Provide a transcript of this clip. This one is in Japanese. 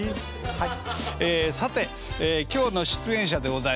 はい。